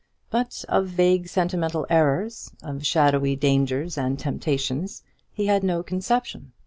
But of vague sentimental errors, of shadowy dangers and temptations, he had no conception.